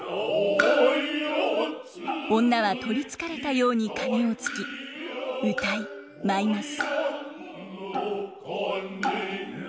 女は取りつかれたように鐘を撞き謡い舞います。